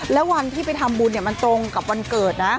แล้ววันที่ไปทำบุญมันตรงกับวันเกิดนะ